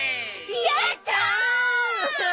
やった！